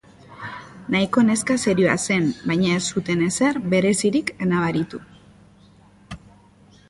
Nahiko neska serioa zen baina ez zuten ezer berezirik nabaritu.